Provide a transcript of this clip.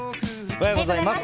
おはようございます。